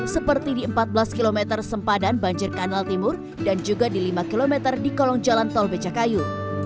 seperti di empat belas km sempadan banjir kanal timur dan juga di lima km di kolong jalan tol becakayu